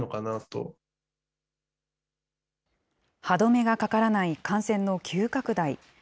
歯止めがかからない感染の急拡大。